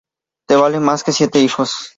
te vale más que siete hijos.